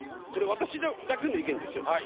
これ私だけの意見ですよ？